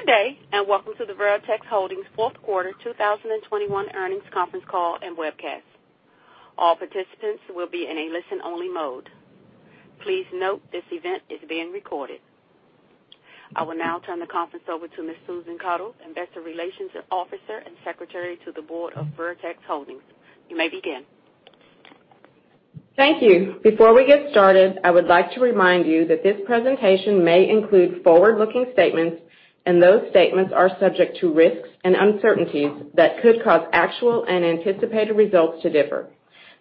Good day, and welcome to the Veritex Holdings fourth quarter 2021 earnings conference call and webcast. All participants will be in a listen-only mode. Please note this event is being recorded. I will now turn the conference over to Ms. Susan Caudle, Investor Relations Officer and Secretary to the Board of Veritex Holdings. You may begin. Thank you. Before we get started, I would like to remind you that this presentation may include forward-looking statements, and those statements are subject to risks and uncertainties that could cause actual and anticipated results to differ.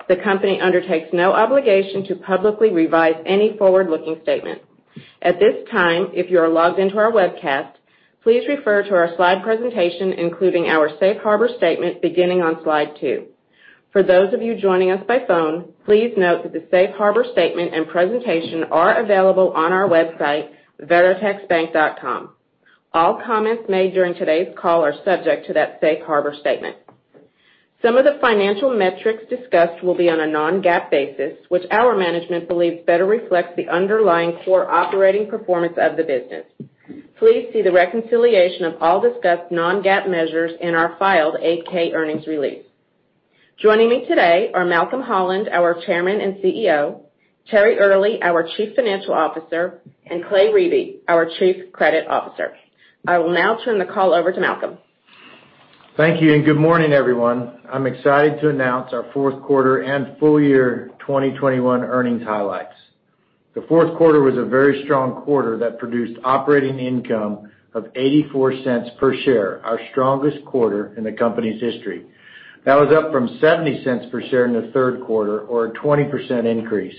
The company undertakes no obligation to publicly revise any forward-looking statement. At this time, if you are logged into our webcast, please refer to our slide presentation, including our safe harbor statement, beginning on slide two. For those of you joining us by phone, please note that the safe harbor statement and presentation are available on our website, veritexbank.com. All comments made during today's call are subject to that safe harbor statement. Some of the financial metrics discussed will be on a non-GAAP basis, which our management believes better reflects the underlying core operating performance of the business. Please see the reconciliation of all discussed non-GAAP measures in our filed 8-K earnings release. Joining me today are Malcolm Holland, our Chairman and CEO, Terry Earley, our Chief Financial Officer, and Clay Riebe, our Chief Credit Officer. I will now turn the call over to Malcolm. Thank you, and good morning, everyone. I'm excited to announce our fourth quarter and full year 2021 earnings highlights. The fourth quarter was a very strong quarter that produced operating income of $0.84 per share, our strongest quarter in the company's history. That was up from $0.70 per share in the third quarter or a 20% increase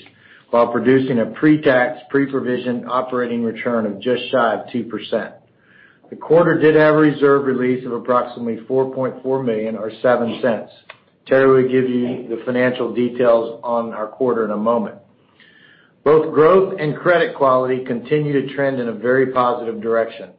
while producing a pre-tax, pre-provision operating return of just shy of 2%. The quarter did have a reserve release of approximately $4.4 million or $0.07. Terry will give you the financial details on our quarter in a moment. Both growth and credit quality continue to trend in a very positive direction.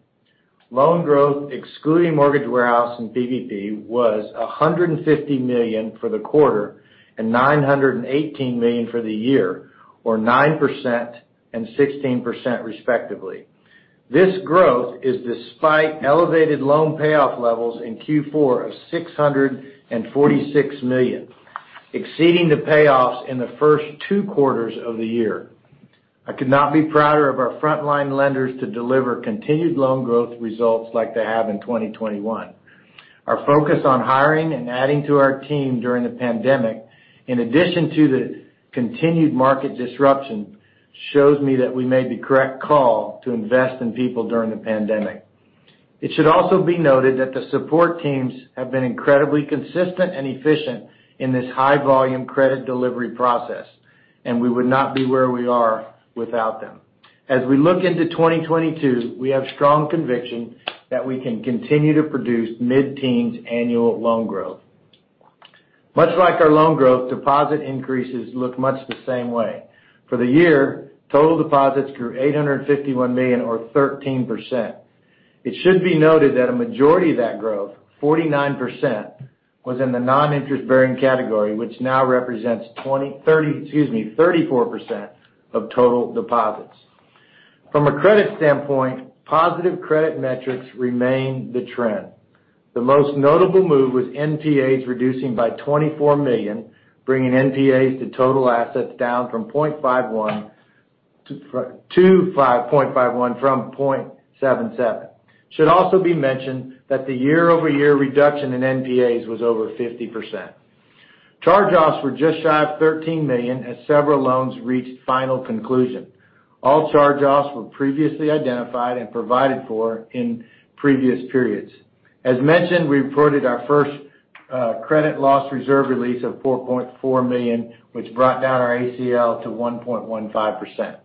Loan growth, excluding Mortgage Warehouse and PPP, was $150 million for the quarter and $918 million for the year, or 9% and 16% respectively. This growth is despite elevated loan payoff levels in Q4 of $646 million, exceeding the payoffs in the first two quarters of the year. I could not be prouder of our frontline lenders to deliver continued loan growth results like they have in 2021. Our focus on hiring and adding to our team during the pandemic, in addition to the continued market disruption, shows me that we made the correct call to invest in people during the pandemic. It should also be noted that the support teams have been incredibly consistent and efficient in this high-volume credit delivery process, and we would not be where we are without them. As we look into 2022, we have strong conviction that we can continue to produce mid-teens annual loan growth. Much like our loan growth, deposit increases look much the same way. For the year, total deposits grew $851 million or 13%. It should be noted that a majority of that growth, 49%, was in the non-interest-bearing category, which now represents 34% of total deposits. From a credit standpoint, positive credit metrics remain the trend. The most notable move was NPAs reducing by $24 million, bringing NPAs to total assets down from 0.51% to 0.77%. Should also be mentioned that the year-over-year reduction in NPAs was over 50%. Charge-offs were just shy of $13 million as several loans reached final conclusion. All charge-offs were previously identified and provided for in previous periods. As mentioned, we reported our first credit loss reserve release of $4.4 million, which brought down our ACL to 1.15%.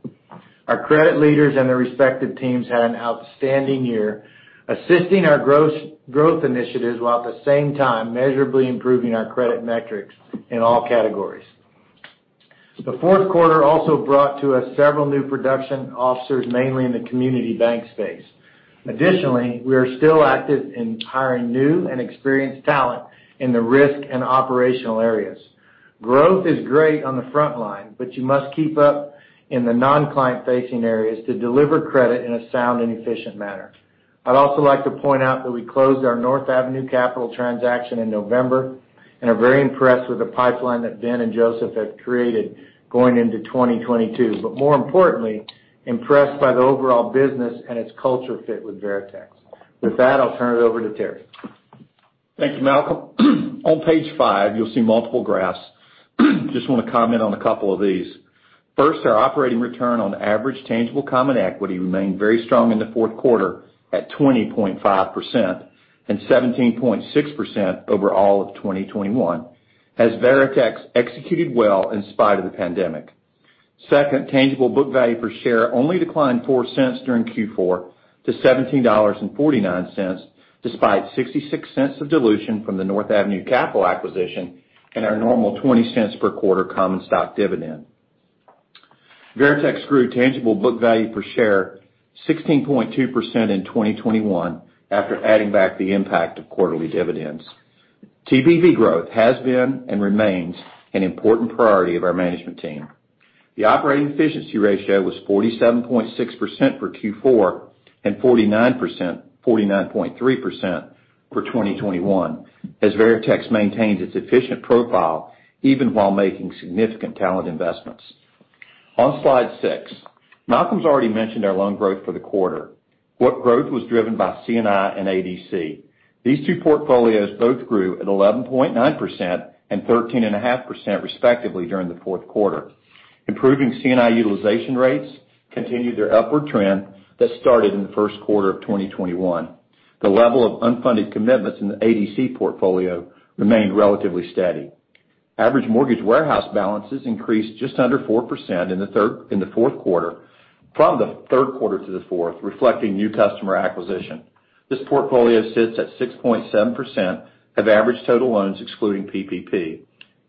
Our credit leaders and their respective teams had an outstanding year assisting our growth initiatives while at the same time measurably improving our credit metrics in all categories. The fourth quarter also brought to us several new production officers, mainly in the community bank space. Additionally, we are still active in hiring new and experienced talent in the risk and operational areas. Growth is great on the front line, but you must keep up in the non-client-facing areas to deliver credit in a sound and efficient manner. I'd also like to point out that we closed our North Avenue Capital transaction in November and are very impressed with the pipeline that Dan and Joseph have created going into 2022, but more importantly, impressed by the overall business and its culture fit with Veritex. With that, I'll turn it over to Terry. Thank you, Malcolm. On page five, you'll see multiple graphs. Just want to comment on a couple of these. First, our operating return on average tangible common equity remained very strong in the fourth quarter at 20.5% and 17.6% over all of 2021 as Veritex executed well in spite of the pandemic. Second, tangible book value per share only declined $0.04 during Q4 to $17.49 despite $0.66 of dilution from the North Avenue Capital acquisition and our normal $0.20 per quarter common stock dividend. Veritex grew tangible book value per share 16.2% in 2021 after adding back the impact of quarterly dividends. TBV growth has been and remains an important priority of our management team. The operating efficiency ratio was 47.6% for Q4, and 49.3% for 2021, as Veritex maintains its efficient profile even while making significant talent investments. On slide six, Malcolm's already mentioned our loan growth for the quarter, which growth was driven by C&I and ADC. These two portfolios both grew at 11.9% and 13.5% respectively during the fourth quarter. Improving C&I utilization rates continued their upward trend that started in the first quarter of 2021. The level of unfunded commitments in the ADC portfolio remained relatively steady. Average Mortgage Warehouse balances increased just under 4% in the fourth quarter from the third quarter to the fourth, reflecting new customer acquisition. This portfolio sits at 6.7% of average total loans excluding PPP.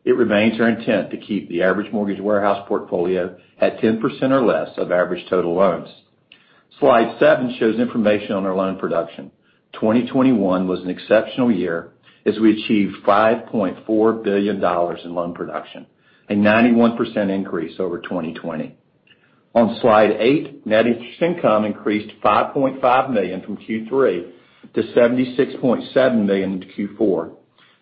It remains our intent to keep the average Mortgage Warehouse portfolio at 10% or less of average total loans. Slide seven shows information on our loan production. 2021 was an exceptional year as we achieved $5.4 billion in loan production, a 91% increase over 2020. On slide eight, net interest income increased $5.5 million from Q3 to $76.7 million to Q4.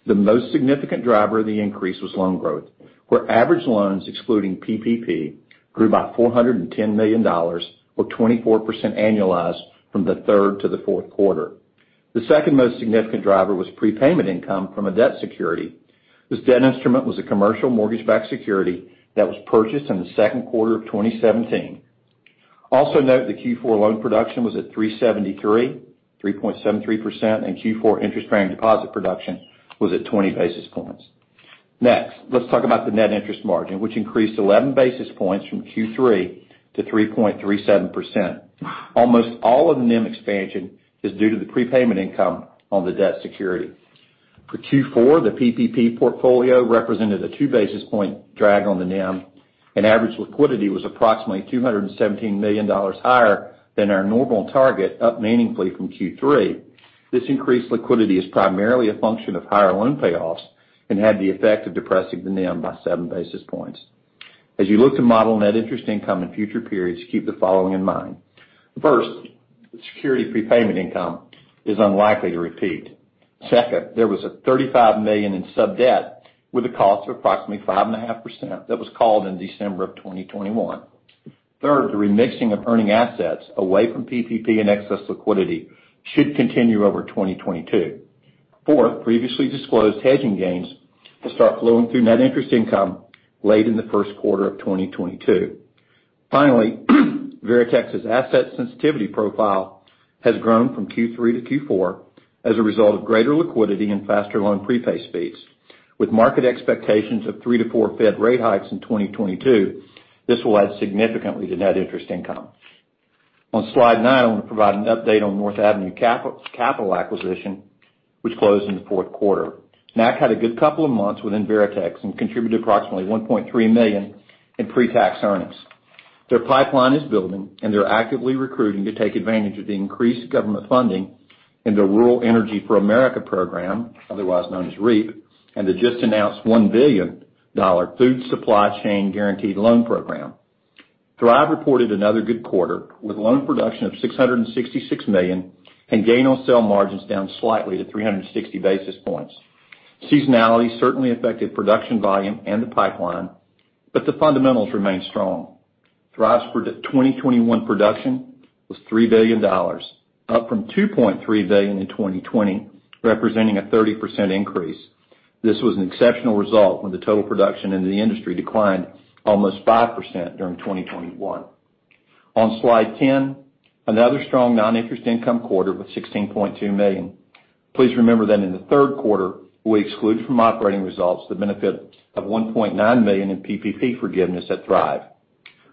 The most significant driver of the increase was loan growth, where average loans excluding PPP grew by $410 million or 24% annualized from the third to the fourth quarter. The second most significant driver was prepayment income from a debt security. This debt instrument was a commercial mortgage-backed security that was purchased in the second quarter of 2017. Also note the Q4 loan production was at 3.73%, and Q4 interest-bearing deposit production was at 20 basis points. Next, let's talk about the net interest margin, which increased 11 basis points from Q3 to 3.37%. Almost all of the NIM expansion is due to the prepayment income on the debt security. For Q4, the PPP portfolio represented a 2 basis point drag on the NIM, and average liquidity was approximately $217 million higher than our normal target, up meaningfully from Q3. This increased liquidity is primarily a function of higher loan payoffs and had the effect of depressing the NIM by 7 basis points. As you look to model net interest income in future periods, keep the following in mind. First, the security prepayment income is unlikely to repeat. Second, there was $35 million in sub-debt with a cost of approximately 5.5% that was called in December of 2021. Third, the remixing of earning assets away from PPP and excess liquidity should continue over 2022. Fourth, previously disclosed hedging gains will start flowing through net interest income late in the first quarter of 2022. Finally, Veritex's asset sensitivity profile has grown from Q3 to Q4 as a result of greater liquidity and faster loan prepay speeds. With market expectations of 3-4 Fed rate hikes in 2022, this will add significantly to net interest income. On slide nine, we provide an update on North Avenue Capital acquisition, which closed in the fourth quarter. NAC had a good couple of months within Veritex and contributed approximately $1.3 million in pre-tax earnings. Their pipeline is building, and they're actively recruiting to take advantage of the increased government funding in the Rural Energy for America program, otherwise known as REAP, and the just announced $1 billion food supply chain guaranteed loan program. Thrive reported another good quarter with loan production of $666 million and gain on sale margins down slightly to 360 basis points. Seasonality certainly affected production volume and the pipeline, but the fundamentals remained strong. Thrive's 2021 production was $3 billion, up from $2.3 billion in 2020, representing a 30% increase. This was an exceptional result when the total production in the industry declined almost 5% during 2021. On slide 10, another strong non-interest income quarter with $16.2 million. Please remember that in the third quarter, we exclude from operating results the benefit of $1.9 million in PPP forgiveness at Thrive.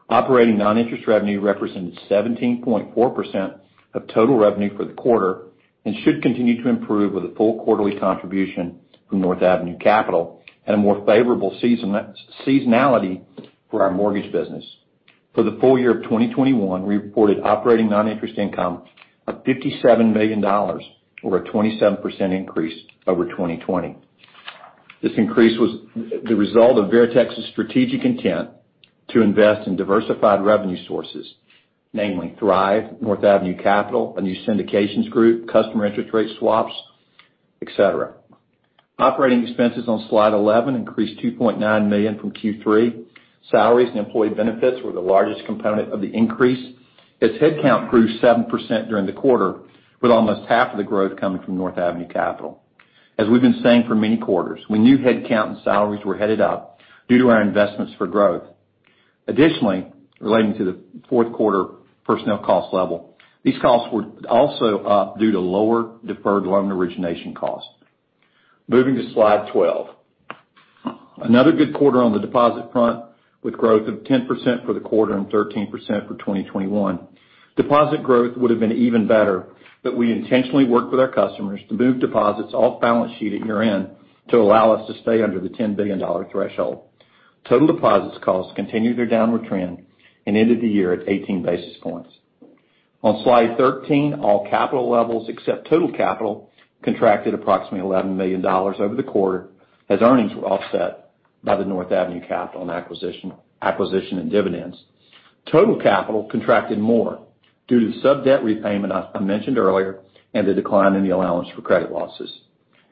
Operating non-interest revenue represented 17.4% of total revenue for the quarter and should continue to improve with a full quarterly contribution from North Avenue Capital and a more favorable seasonality for our mortgage business. For the full year of 2021, we reported operating non-interest income of $57 million or a 27% increase over 2020. This increase was the result of Veritex's strategic intent to invest in diversified revenue sources, namely Thrive, North Avenue Capital, a new syndications group, customer interest rate swaps, et cetera. Operating expenses on slide 11 increased $2.9 million from Q3. Salaries and employee benefits were the largest component of the increase as headcount grew 7% during the quarter, with almost half of the growth coming from North Avenue Capital. As we've been saying for many quarters, we knew headcount and salaries were headed up due to our investments for growth. Additionally, relating to the fourth quarter personnel cost level, these costs were also up due to lower deferred loan origination costs. Moving to slide 12. Another good quarter on the deposit front, with growth of 10% for the quarter and 13% for 2021. Deposit growth would have been even better, but we intentionally worked with our customers to move deposits off balance sheet at year-end to allow us to stay under the $10 billion threshold. Total deposit costs continued their downward trend and ended the year at 18 basis points. On slide 13, all capital levels except total capital contracted approximately $11 million over the quarter as earnings were offset by the North Avenue Capital acquisition and dividends. Total capital contracted more due to the sub-debt repayment I mentioned earlier and the decline in the allowance for credit losses.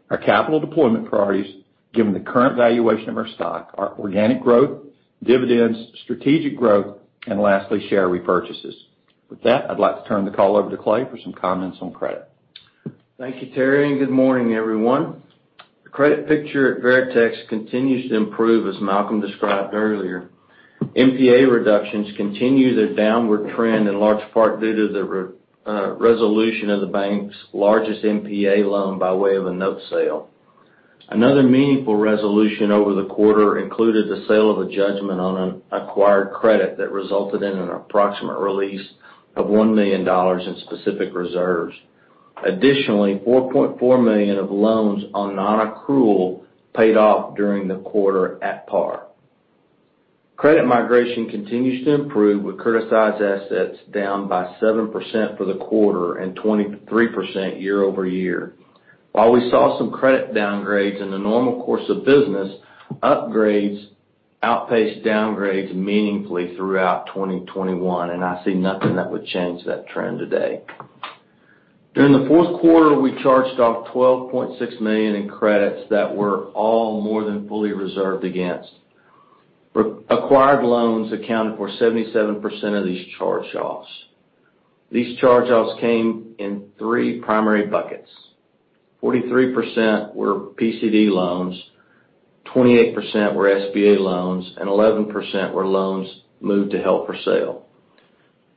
Our capital deployment priorities, given the current valuation of our stock, are organic growth, dividends, strategic growth, and lastly, share repurchases. With that, I'd like to turn the call over to Clay for some comments on credit. Thank you, Terry, and good morning, everyone. The credit picture at Veritex continues to improve, as Malcolm described earlier. NPA reductions continue their downward trend in large part due to the resolution of the bank's largest NPA loan by way of a note sale. Another meaningful resolution over the quarter included the sale of a judgment on an acquired credit that resulted in an approximate release of $1 million in specific reserves. Additionally, $4.4 million of loans on nonaccrual paid off during the quarter at par. Credit migration continues to improve with criticized assets down by 7% for the quarter and 23% year-over-year. While we saw some credit downgrades in the normal course of business, upgrades outpaced downgrades meaningfully throughout 2021, and I see nothing that would change that trend today. During the fourth quarter, we charged off $12.6 million in credits that were all more than fully reserved against. Reacquired loans accounted for 77% of these charge-offs. These charge-offs came in three primary buckets. 43% were PCD loans, 28% were SBA loans, and 11% were loans moved to held for sale.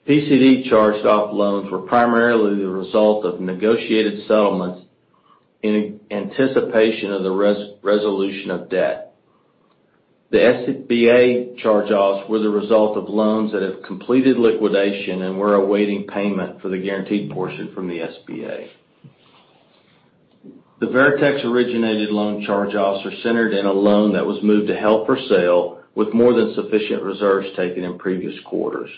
PCD charged-off loans were primarily the result of negotiated settlements in anticipation of the resolution of debt. The SBA charge-offs were the result of loans that have completed liquidation and were awaiting payment for the guaranteed portion from the SBA. The Veritex-originated loan charge-offs are centered in a loan that was moved to held for sale with more than sufficient reserves taken in previous quarters.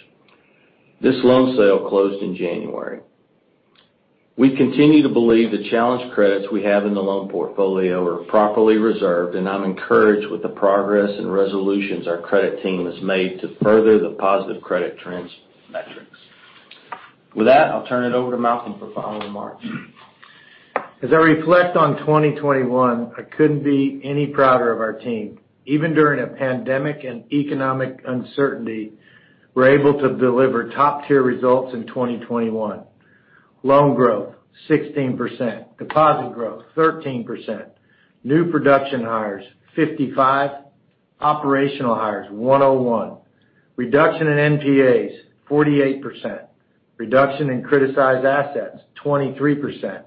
This loan sale closed in January. We continue to believe the challenged credits we have in the loan portfolio are properly reserved, and I'm encouraged with the progress and resolutions our credit team has made to further the positive credit trends metrics. With that, I'll turn it over to Malcolm for final remarks. As I reflect on 2021, I couldn't be any prouder of our team. Even during a pandemic and economic uncertainty, we're able to deliver top-tier results in 2021. Loan growth, 16%, deposit growth, 13%, new production hires, 55, operational hires, 101, reduction in NPAs, 48%, reduction in criticized assets, 23%,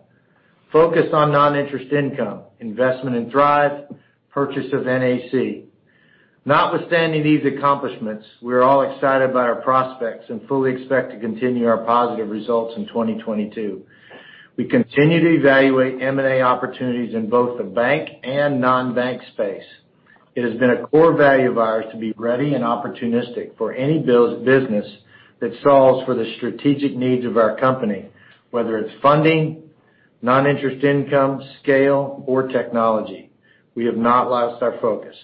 focus on non-interest income, investment in Thrive, purchase of NAC. Notwithstanding these accomplishments, we're all excited about our prospects and fully expect to continue our positive results in 2022. We continue to evaluate M&A opportunities in both the bank and non-bank space. It has been a core value of ours to be ready and opportunistic for any business that solves for the strategic needs of our company, whether it's funding, non-interest income, scale, or technology. We have not lost our focus.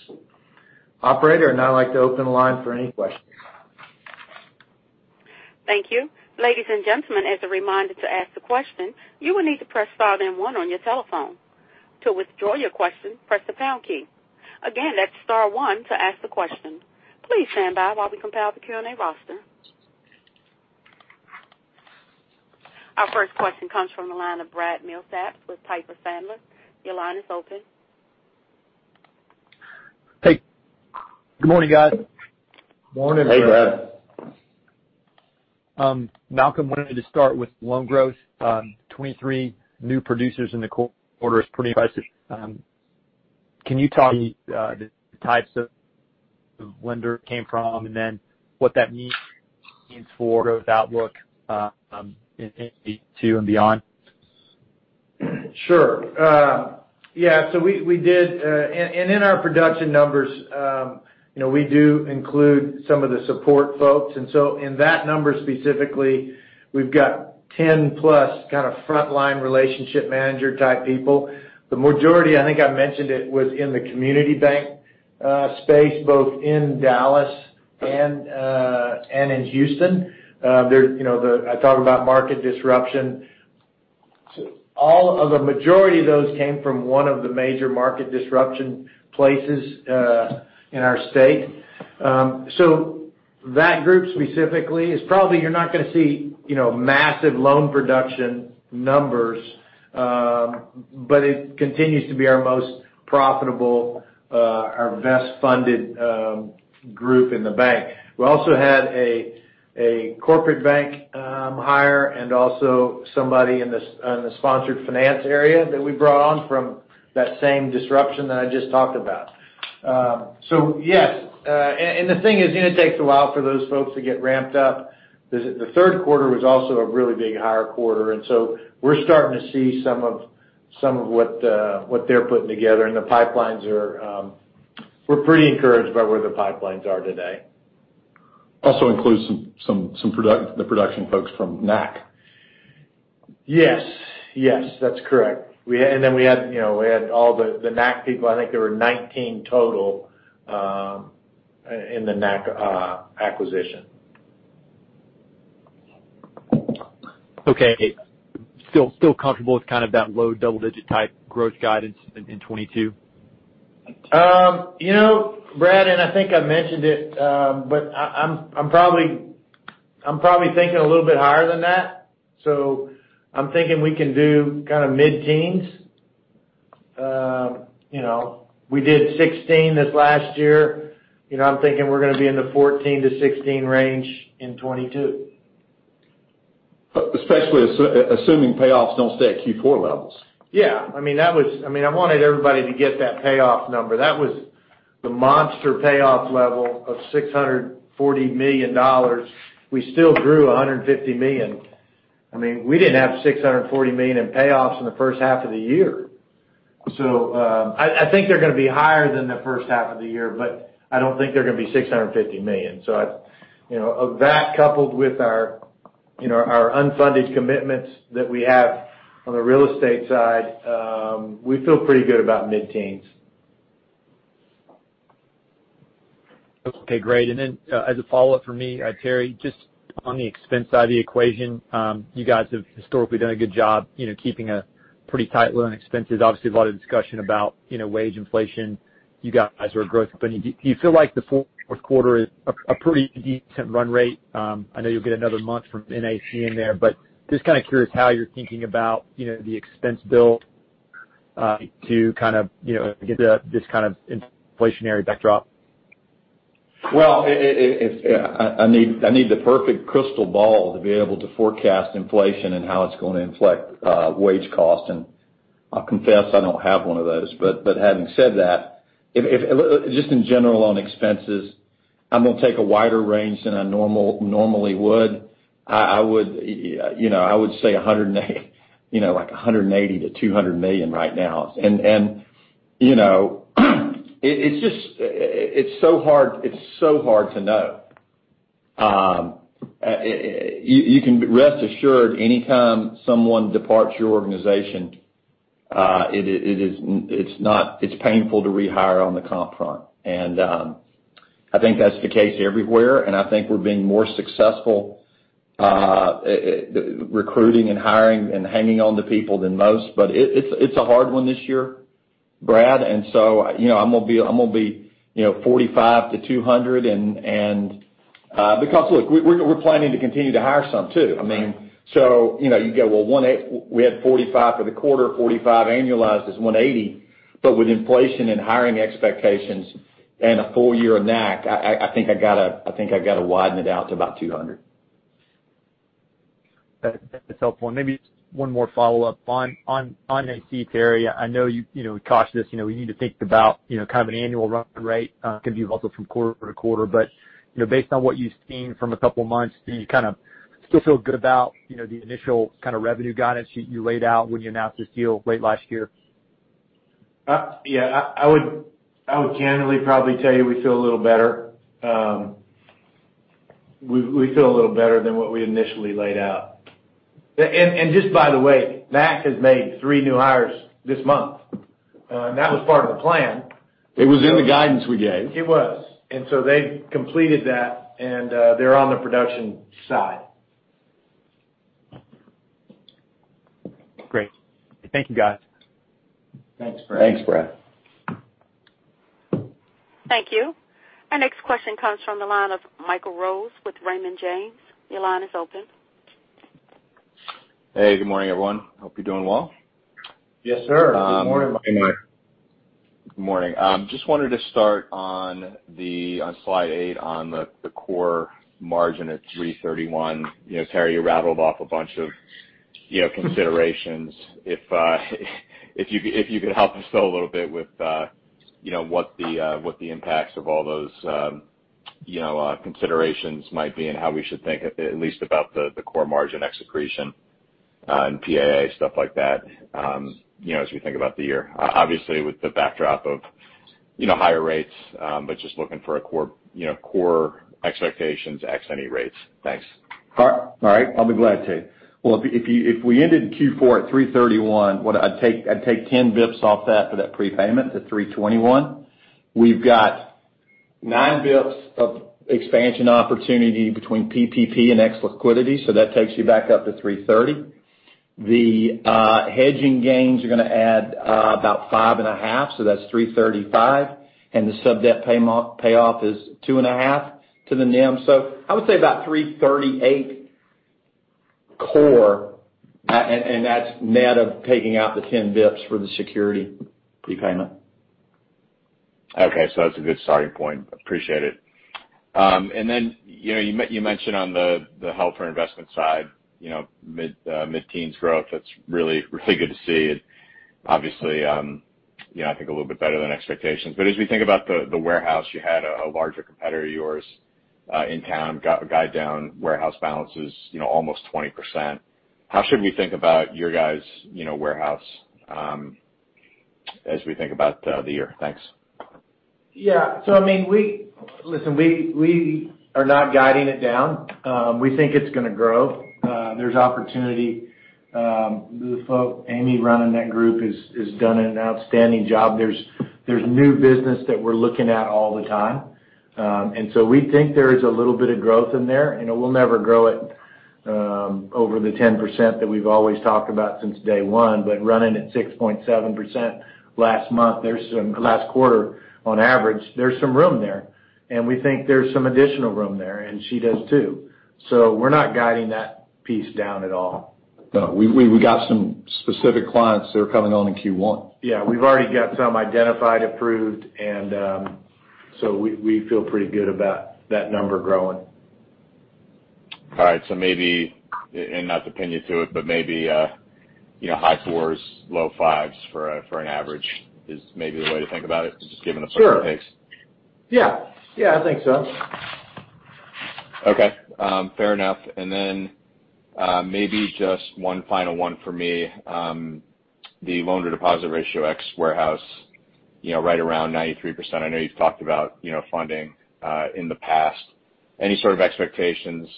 Operator, I'd now like to open the line for any questions. Thank you. Ladies and gentlemen, as a reminder to ask the question, you will need to press star then one on your telephone. To withdraw your question, press the pound key. Again, that's star one to ask the question. Please stand by while we compile the Q&A roster. Our first question comes from the line of Brad Milsaps with Piper Sandler. Your line is open. Hey, good morning, guys. Morning, Brad. Hey, Brad. Malcolm, I wanted to start with loan growth. 23 new producers in the quarter is pretty impressive. Can you talk about the types of lenders it came from and then what that means for growth outlook in 2022 and beyond? Sure. Yeah. We did, and in our production numbers, you know, we do include some of the support folks. In that number specifically, we've got 10+ kind of frontline relationship manager type people. The majority, I think I mentioned it, was in the community bank space, both in Dallas and in Houston. There, you know, I talk about market disruption. All of the majority of those came from one of the major market disruption places in our state. That group specifically is probably, you're not gonna see, you know, massive loan production numbers, but it continues to be our most profitable, our best funded, group in the bank. We also had a corporate bank hire and also somebody in the sponsored finance area that we brought on from that same disruption that I just talked about. Yes, and the thing is, you know, it takes a while for those folks to get ramped up. The third quarter was also a really big hire quarter, and so we're starting to see some of what they're putting together, and the pipelines are. We're pretty encouraged by where the pipelines are today. Also includes the production folks from NAC. Yes, that's correct. We had, you know, all the NAC people. I think there were 19 total in the NAC acquisition. Okay. Still comfortable with kind of that low double-digit type growth guidance in 2022? You know, Brad, I think I mentioned it, but I'm probably thinking a little bit higher than that. I'm thinking we can do kind of mid-teens. You know, we did 16% this last year. You know, I'm thinking we're gonna be in the 14%-16% range in 2022. Especially assuming payoffs don't stay at Q4 levels. Yeah. I mean, I wanted everybody to get that payoff number. That was the monster payoff level of $640 million. We still grew $150 million. I mean, we didn't have $640 million in payoffs in the first half of the year. I think they're gonna be higher than the first half of the year, but I don't think they're gonna be $650 million. I, you know, of that coupled with our, you know, our unfunded commitments that we have on the real estate side, we feel pretty good about mid-teens. Okay, great. As a follow-up from me, Terry, just on the expense side of the equation, you guys have historically done a good job, you know, keeping a pretty tight rein on expenses. Obviously, a lot of discussion about, you know, wage inflation. You guys are a growth company. Do you feel like the fourth quarter is a pretty decent run rate? I know you'll get another month from NAC in there, but just kind of curious how you're thinking about, you know, the expense build, to kind of, you know, get to this kind of inflationary backdrop. I need the perfect crystal ball to be able to forecast inflation and how it's going to inflect wage costs. I'll confess, I don't have one of those. Having said that, just in general on expenses, I'm gonna take a wider range than I normally would. I would, you know, say like $180 million-$200 million right now. You know, it's just so hard to know. You can rest assured any time someone departs your organization, it is painful to rehire on the comp front. I think that's the case everywhere, and I think we're being more successful recruiting and hiring and hanging on to people than most. It's a hard one this year, Brad. You know, I'm gonna be $45-$200, because look, we're planning to continue to hire some too. I mean, you know, you go, well, $180. We had $45 for the quarter, $45 annualized is $180. With inflation and hiring expectations and a full year of NAC, I think I gotta widen it out to about $200. That's helpful. Maybe just one more follow-up on NAC, Terry. I know you know, cautioned us, you know, we need to think about, you know, kind of an annual run rate, can be volatile from quarter to quarter. You know, based on what you've seen from a couple months, do you kind of still feel good about, you know, the initial kind of revenue guidance you laid out when you announced this deal late last year? Yeah. I would candidly probably tell you we feel a little better. We feel a little better than what we initially laid out. Just by the way, NAC has made three new hires this month. That was part of the plan. It was. They completed that, and they're on the production side. Great. Thank you, guys. Thanks, Brad. Thank you. Our next question comes from the line of Michael Rose with Raymond James. Your line is open. Hey, good morning, everyone. Hope you're doing well. Yes, sir. Good morning, Michael. Good morning. Just wanted to start on slide eight on the core margin at 3.31%. You know, Terry, you rattled off a bunch of, you know, considerations. If you could help us out a little bit with what the impacts of all those, you know, considerations might be and how we should think, at least about the core margin expansion and PAA, stuff like that, you know, as we think about the year. Obviously, with the backdrop of, you know, higher rates, but just looking for a core expectations ex any rates. Thanks. All right. I'll be glad to. Well, if we ended Q4 at 3.31, what I'd take 10 basis points off that for that prepayment to 3.21. We've got 9 bps of expansion opportunity between PPP and excess liquidity, so that takes you back up to 3.30. The hedging gains are gonna add about 5.5, so that's 3.35. The sub-debt payoff is 2.5 to the NIM. I would say about 3.38 core, and that's net of taking out the 10 bps for the security prepayment. Okay. That's a good starting point. Appreciate it. And then, you know, you mentioned on the hold for investment side, you know, mid-teens growth. That's really good to see, and obviously, you know, I think a little bit better than expectations. As we think about the warehouse, you had a larger competitor of yours in town got guidance down warehouse balances, you know, almost 20%. How should we think about your guys, you know, warehouse, as we think about the year? Thanks. Yeah. I mean, we are not guiding it down. We think it's gonna grow. There's opportunity. The folks, Amy running that group has done an outstanding job. There's new business that we're looking at all the time. We think there is a little bit of growth in there. You know, we'll never grow it over the 10% that we've always talked about since day one, but running at 6.7% last month. Last quarter on average, there's some room there. We think there's some additional room there, and she does too. We're not guiding that piece down at all. No. We got some specific clients that are coming on in Q1. Yeah. We've already got some identified, approved, and so we feel pretty good about that number growing. All right, maybe, and not to pin you to it, but maybe, you know, high 4%, low 5% for an average is maybe the way to think about it, just given the sort of pace. Sure. Yeah. Yeah, I think so. Okay. Fair enough. Maybe just one final one for me. The loan-to-deposit ratio ex warehouse, you know, right around 93%. I know you've talked about, you know, funding in the past. Any sort of expectations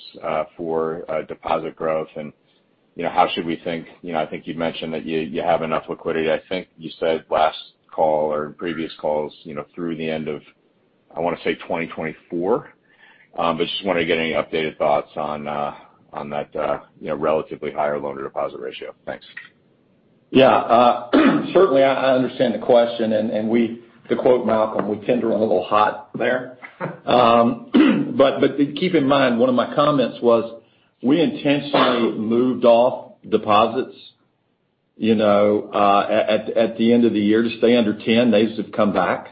for deposit growth? You know, how should we think? You know, I think you've mentioned that you have enough liquidity. I think you said last call or in previous calls, you know, through the end of, I wanna say, 2024. Just wanted to get any updated thoughts on that, you know, relatively higher loan-to-deposit ratio. Thanks. Yeah. Certainly I understand the question, and we, to quote Malcolm, we tend to run a little hot there. Keep in mind, one of my comments was we intentionally moved off deposits, you know, at the end of the year to stay under 10. They've come back.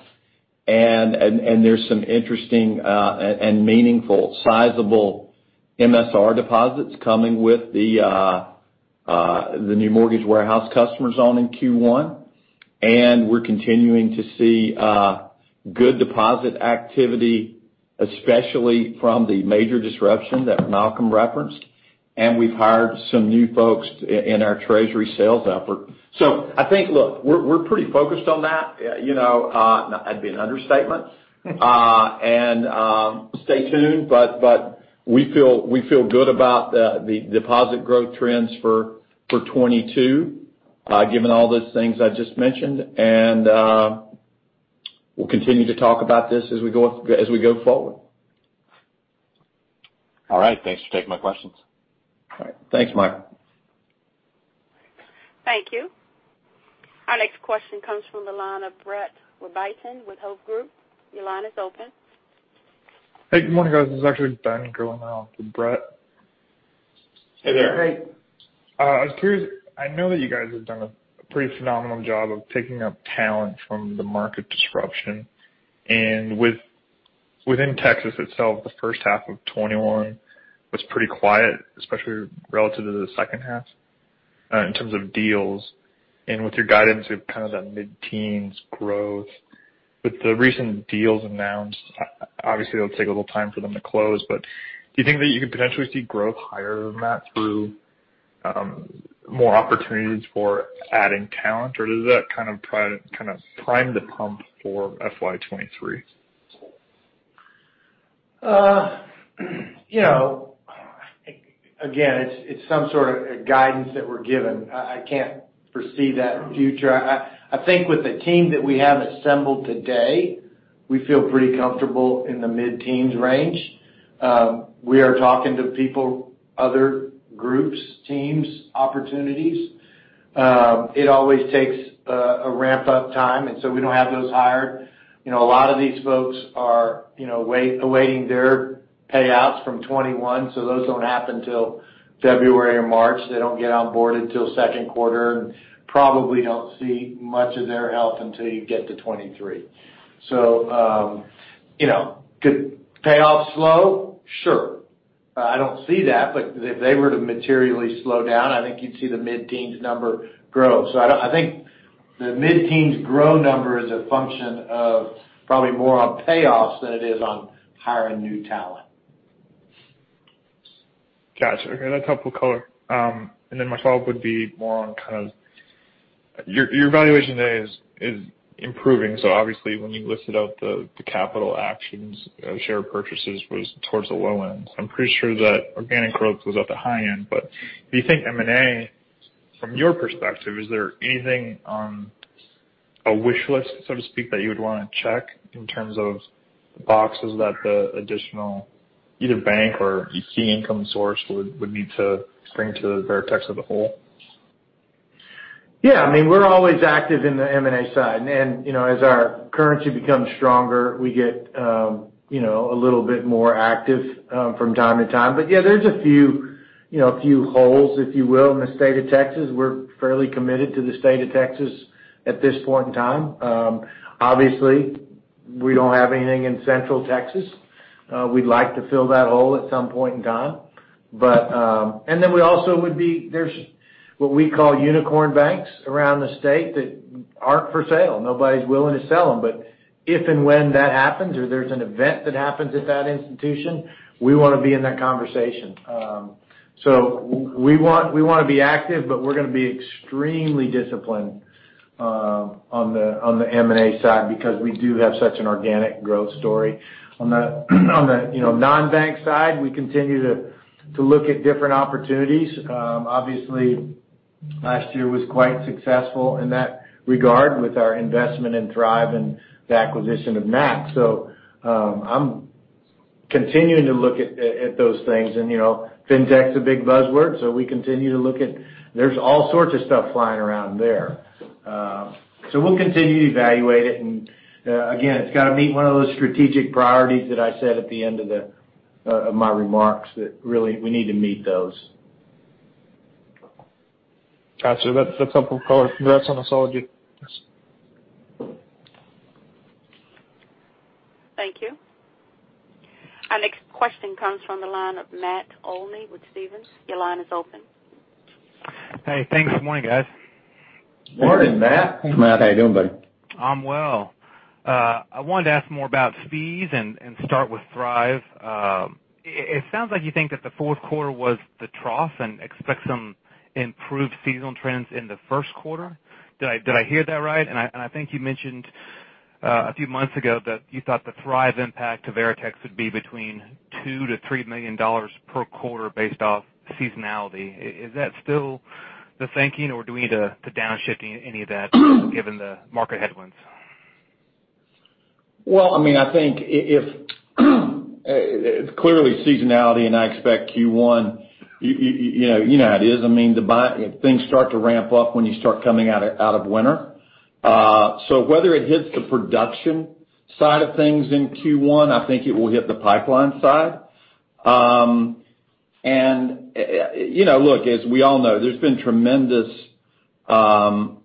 There's some interesting and meaningful, sizable MSR deposits coming with the new Mortgage Warehouse customers on in Q1. We're continuing to see good deposit activity, especially from the major disruption that Malcolm referenced. We've hired some new folks in our treasury sales effort. I think, look, we're pretty focused on that. You know, that'd be an understatement. Stay tuned, but we feel good about the deposit growth trends for 2022, given all those things I just mentioned. We'll continue to talk about this as we go forward. All right. Thanks for taking my questions. All right. Thanks, Mark. Thank you. Our next question comes from the line of Brett Rabatin with Hovde Group. Your line is open. Hey, good morning, guys. This is actually Ben Gerlinger out for Brett. Hey there. Hey. I was curious. I know that you guys have done a pretty phenomenal job of picking up talent from the market disruption. Within Texas itself, the first half of 2021 was pretty quiet, especially relative to the second half, in terms of deals. With your guidance of kind of that mid-teens growth with the recent deals announced, obviously it'll take a little time for them to close, but do you think that you could potentially see growth higher than that through more opportunities for adding talent, or does that kind of prime the pump for FY 2023? You know, again, it's some sort of guidance that we're given. I think with the team that we have assembled today, we feel pretty comfortable in the mid-teens range. We are talking to people, other groups, teams, opportunities. It always takes a ramp-up time, and so we don't have those hired. You know, a lot of these folks are awaiting their payouts from 2021, so those don't happen till February or March. They don't get onboarded till second quarter, and probably don't see much of their help until you get to 2023. You know, could payoff slow? Sure. I don't see that, but if they were to materially slow down, I think you'd see the mid-teens number grow. I think the mid-teens growth number is a function of probably more on payoffs than it is on hiring new talent. Gotcha. Okay, that's helpful color. My follow-up would be more on kind of your valuation today is improving, so obviously, when you listed out the capital actions, share purchases was towards the low end. I'm pretty sure that organic growth was at the high end. But do you think M&A, from your perspective, is there anything on a wish list, so to speak, that you would wanna check in terms of boxes that the additional either bank or key income source would need to bring to the Veritex as a whole? Yeah. I mean, we're always active in the M&A side. You know, as our currency becomes stronger, we get, you know, a little bit more active from time to time. Yeah, there's a few holes, if you will, in the state of Texas. We're fairly committed to the state of Texas at this point in time. Obviously we don't have anything in Central Texas. We'd like to fill that hole at some point in time. There's what we call unicorn banks around the state that aren't for sale. Nobody's willing to sell them. If and when that happens or there's an event that happens at that institution, we wanna be in that conversation. We want, we wanna be active, but we're gonna be extremely disciplined on the M&A side because we do have such an organic growth story. On the, you know, non-bank side, we continue to look at different opportunities. Obviously, last year was quite successful in that regard with our investment in Thrive and the acquisition of NAC. I'm continuing to look at those things and, you know, fintech's a big buzzword, so we continue to look at. There's all sorts of stuff flying around there. We'll continue to evaluate it. Again, it's gotta meet one of those strategic priorities that I said at the end of my remarks that really we need to meet those. Gotcha. That's helpful color. That's on the solid piece. Thank you. Our next question comes from the line of Matt Olney with Stephens. Your line is open. Hey, thanks. Good morning, guys. Morning, Matt. Matt, how you doing, buddy? I'm well. I wanted to ask more about fees and start with Thrive. It sounds like you think that the fourth quarter was the trough and expect some improved seasonal trends in the first quarter. Did I hear that right? I think you mentioned a few months ago that you thought the Thrive impact to Veritex would be between $2 million-$3 million per quarter based off seasonality. Is that still the thinking or do we need to downshifting any of that given the market headwinds? Well, I mean, I think if clearly seasonality and I expect Q1, you know how it is. I mean, if things start to ramp up when you start coming out of winter. So whether it hits the production side of things in Q1, I think it will hit the pipeline side. You know, look, as we all know, there's been tremendous gain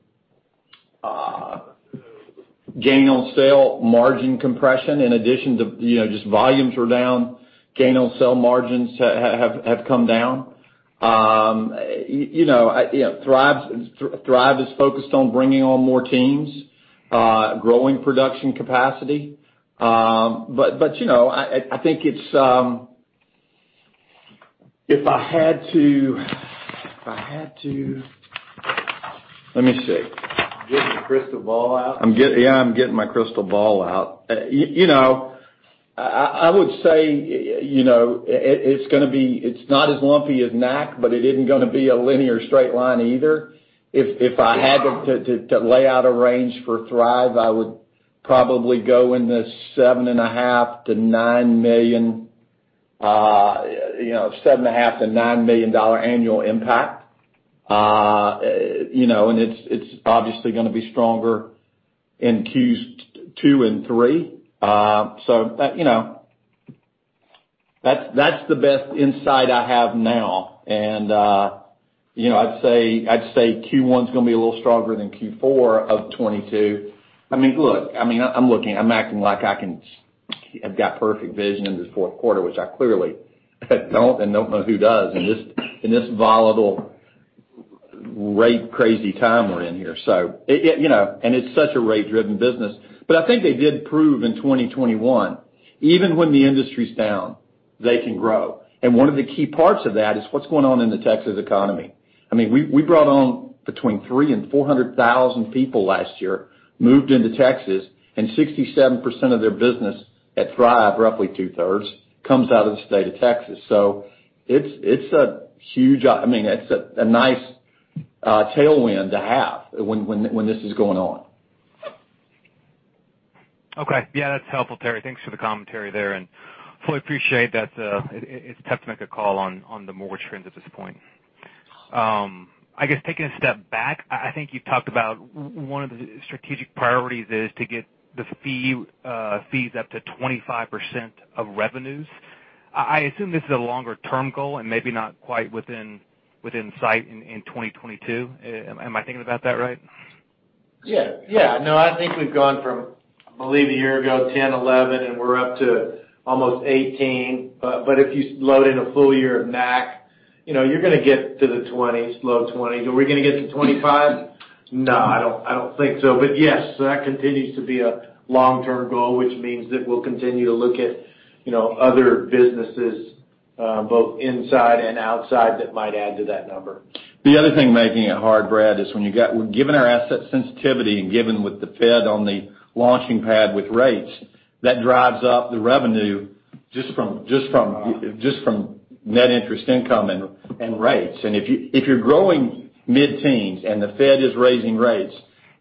on sale margin compression in addition to, you know, just volumes were down, gain on sale margins have come down. You know, Thrive is focused on bringing on more teams, growing production capacity. But you know, I think it's. If I had to let me see. Getting the crystal ball out. Yeah, I'm getting my crystal ball out. You know, I would say, you know, it's not as lumpy as NAC, but it isn't gonna be a linear straight line either. If I had to lay out a range for Thrive, I would probably go in the $7.5 million-$9 million, you know, $7.5 million-$9 million annual impact. You know, and it's obviously gonna be stronger in Q2 and Q3. You know, that's the best insight I have now. You know, I'd say Q1's gonna be a little stronger than Q4 of 2022. I mean, look, I'm looking, I'm acting like I have perfect vision in this fourth quarter, which I clearly don't and don't know who does in this volatile rate crazy time we're in here. It, you know, it's such a rate-driven business. I think they proved in 2021, even when the industry's down, they can grow. One of the key parts of that is what's going on in the Texas economy. I mean, we brought on between 300,000 and 400,000 people last year, moved into Texas, and 67% of their business at Thrive, roughly 2/3, comes out of the state of Texas. It's a nice tailwind to have when this is going on. Okay. Yeah, that's helpful, Terry. Thanks for the commentary there, and fully appreciate that, it's tough to make a call on the mortgage trends at this point. I guess taking a step back, I think you've talked about one of the strategic priorities is to get the fees up to 25% of revenues. I assume this is a longer-term goal and maybe not quite within sight in 2022. Am I thinking about that right? Yeah, yeah. No, I think we've gone from, I believe a year ago, 10, 11, and we're up to almost 18. If you load in a full year of NAC, you know, you're gonna get to the 20s, low 20s. Are we gonna get to 25? No, I don't think so. Yes, that continues to be a long-term goal, which means that we'll continue to look at, you know, other businesses both inside and outside that might add to that number. The other thing making it hard, Brad, is given our asset sensitivity and given the Fed on the launching pad with rates, that drives up the revenue just from net interest income and rates. If you're growing mid-teens and the Fed is raising rates,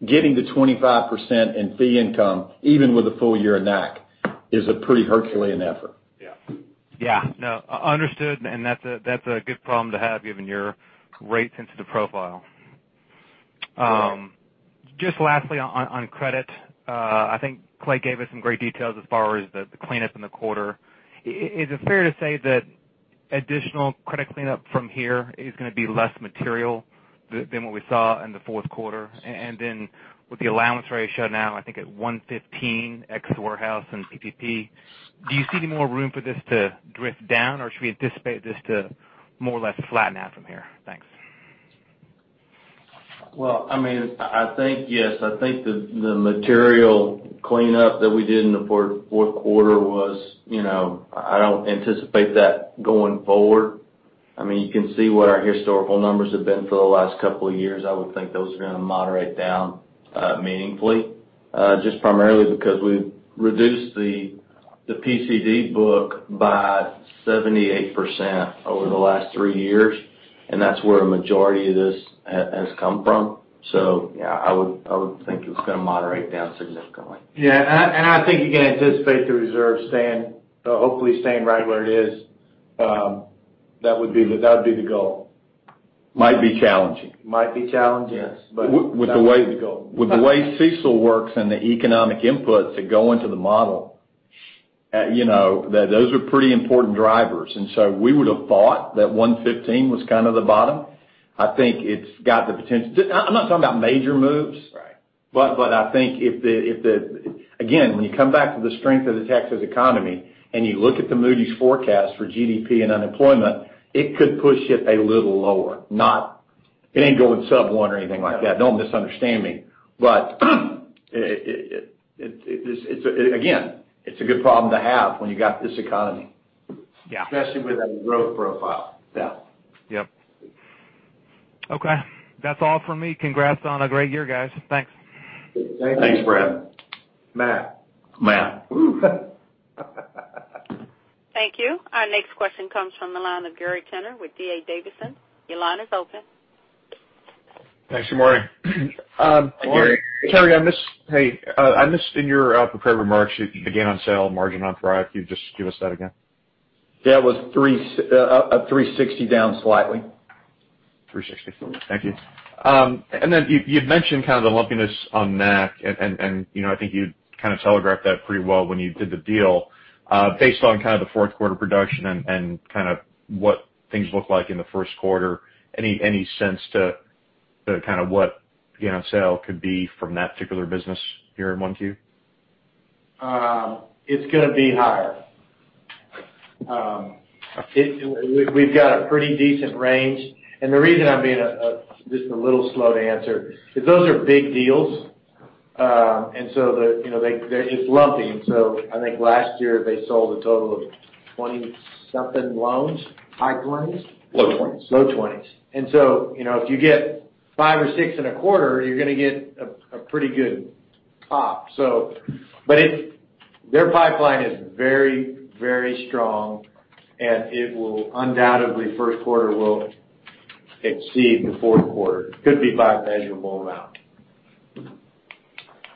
getting to 25% in fee income, even with a full year of NAC, is a pretty Herculean effort. Yeah. Understood, and that's a good problem to have given your rate-sensitive profile. Just lastly on credit, I think Clay gave us some great details as far as the cleanup in the quarter. Is it fair to say that additional credit cleanup from here is gonna be less material than what we saw in the fourth quarter? Then with the allowance ratio now, I think at 1.15 ex warehouse and PPP, do you see any more room for this to drift down or should we anticipate this to more or less flatten out from here? Thanks. Well, I mean, I think yes, I think the material cleanup that we did in the fourth quarter was, you know, I don't anticipate that going forward. I mean, you can see what our historical numbers have been for the last couple of years. I would think those are gonna moderate down meaningfully, just primarily because we've reduced the PCD book by 78% over the last 3 years, and that's where a majority of this has come from. Yeah, I would think it's gonna moderate down significantly. Yeah. I think you can anticipate the reserve staying, hopefully staying right where it is. That would be the goal. Might be challenging. Might be challenging. Yes. That would be the goal. With the way CECL works and the economic inputs that go into the model, you know, those are pretty important drivers. We would've thought that 115 was kind of the bottom. I think it's got the potential. I'm not talking about major moves. Right. I think if the again, when you come back to the strength of the Texas economy and you look at the Moody's forecast for GDP and unemployment, it could push it a little lower. It ain't going sub one or anything like that. Don't misunderstand me. It is it's again a good problem to have when you got this economy. Yeah. Especially with our growth profile. Yeah. Yep. Okay. That's all for me. Congrats on a great year, guys. Thanks. Thank you. Thanks, Brad. Matt. Matt. Whoo. Thank you. Our next question comes from the line of Gary Tenner with D.A. Davidson. Your line is open. Thanks. Good morning. Good morning. Terry, I missed in your prepared remarks the gain on sale margin on Thrive. Can you just give us that again? Yeah. It was 360 down slightly. 360. Thank you. You'd mentioned kind of the lumpiness on NAC and, you know, I think you kind of telegraphed that pretty well when you did the deal. Based on kind of the fourth quarter production and kind of what things look like in the first quarter, any sense to kind of what gain on sale could be from that particular business here in 1Q? It's gonna be higher. We've got a pretty decent range. The reason I'm being just a little slow to answer is those are big deals. You know, they're just lumpy. I think last year they sold a total of 20-something loans. High 20s. Low 20s. Low 20s. You know, if you get five or six in a quarter, you're gonna get a pretty good pop. Their pipeline is very, very strong, and it will undoubtedly, the first quarter will exceed the fourth quarter. Could be by a measurable amount.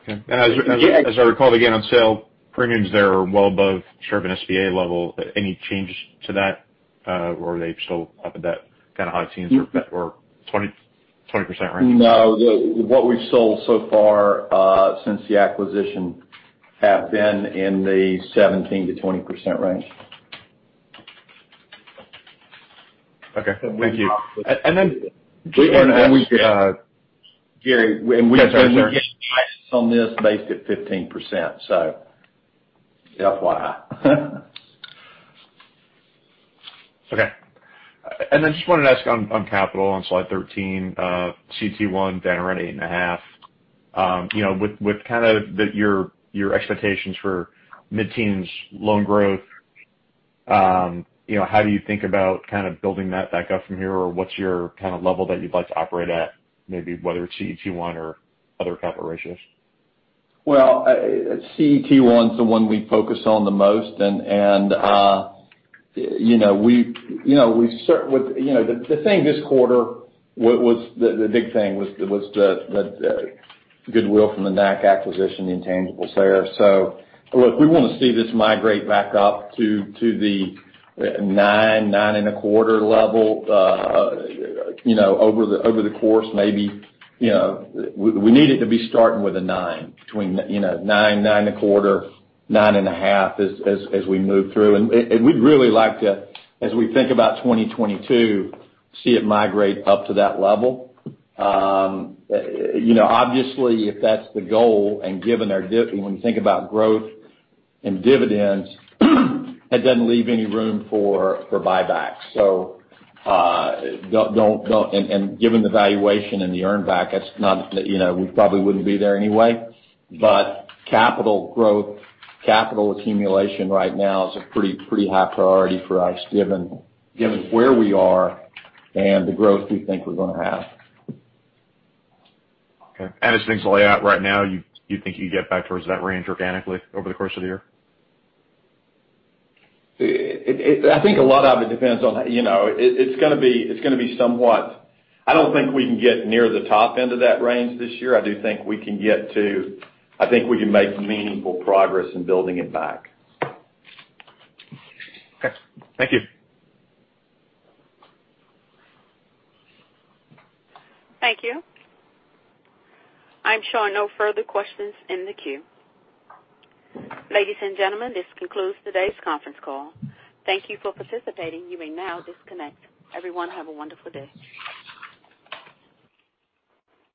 Okay. As I recall, the gain on sale premiums there are well above servicing SBA level. Any changes to that, or are they still up at that kind of high teens or 20% range? No. What we've sold so far since the acquisition have been in the 17%-20% range. Okay. Thank you. Gary, when we get prices on this based at 15%, so FYI. Okay. Just wanted to ask on capital on slide 13, CET1 down around 8.5. You know, with kind of your expectations for mid-teens loan growth, you know, how do you think about kind of building that back up from here? Or what's your kind of level that you'd like to operate at? Maybe whether it's CET1 or other capital ratios. Well, CET1's the one we focus on the most. You know, we. You know, with the thing this quarter was, the goodwill from the NAC acquisition, the intangibles there. Look, we wanna see this migrate back up to the 9%-9.25% level, you know, over the course, maybe, you know. We need it to be starting with a 9%, between, you know, 9.25%, 9.5% as we move through. We'd really like to, as we think about 2022, see it migrate up to that level. You know, obviously, if that's the goal, and given our when you think about growth and dividends, it doesn't leave any room for buybacks. Given the valuation and the earn back, that's not, you know, we probably wouldn't be there anyway. Capital growth, capital accumulation right now is a pretty high priority for us, given where we are and the growth we think we're gonna have. Okay. As things play out right now, you think you can get back towards that range organically over the course of the year? I think a lot of it depends on, you know. It's gonna be somewhat. I don't think we can get near the top end of that range this year. I do think we can get to. I think we can make meaningful progress in building it back. Okay. Thank you. Thank you. I'm showing no further questions in the queue. Ladies and gentlemen, this concludes today's conference call. Thank you for participating. You may now disconnect. Everyone, have a wonderful day.